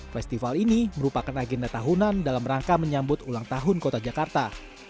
festival ini merupakan agenda tahunan dalam rangka menyambut ulang tahun kota jakarta